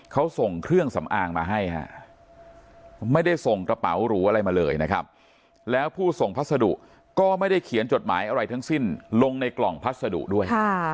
เขาส่งเครื่องสำอางมาให้ฮะไม่ได้ส่งกระเป๋าหรูอะไรมาเลยนะครับแล้วผู้ส่งพัสดุก็ไม่ได้เขียนจดหมายอะไรทั้งสิ้นลงในกล่องพัสดุด้วย